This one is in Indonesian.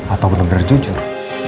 atau bener bener jujur